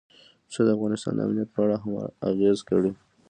پسه د افغانستان د امنیت په اړه هم اغېز لري.